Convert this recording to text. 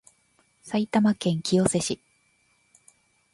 埼玉県清瀬市